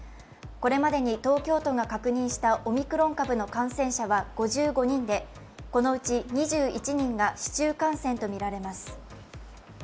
これまでに東京都が確認したオミクロン株の感染者は５５人で、このうち２１人が市中感染とみられます。